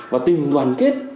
và tình đoàn kết